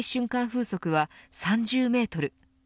風速は３０メートル。